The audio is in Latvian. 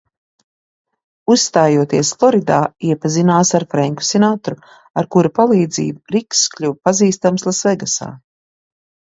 Uzstājoties Floridā, iepazinās ar Frenku Sinatru, ar kura palīdzību Riklss kļuva pazīstams Lasvegasā.